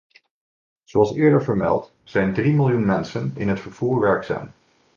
Zoals eerder vermeld, zijn drie miljoen mensen in het vervoer werkzaam.